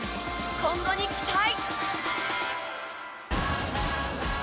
今後に期待。